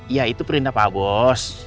ya itu perintah pak bos